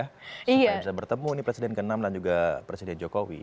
supaya bisa bertemu ini presiden ke enam dan juga presiden jokowi